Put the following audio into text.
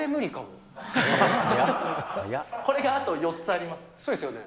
これがあと４つあります。